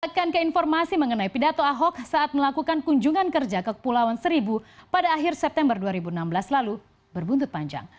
tekan ke informasi mengenai pidato ahok saat melakukan kunjungan kerja ke kepulauan seribu pada akhir september dua ribu enam belas lalu berbuntut panjang